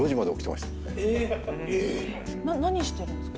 えっ⁉何してるんですか？